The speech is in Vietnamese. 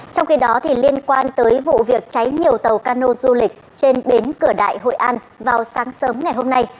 trong khi đó liên quan tới vụ việc cháy nhiều tàu cano du lịch trên bến cửa đại hội an vào sáng sớm ngày hôm nay